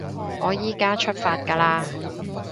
我依加出發㗎喇